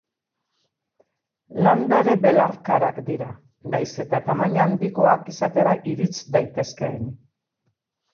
Landare belarkarak dira, nahiz eta tamaina handikoak izatera irits daitezkeen.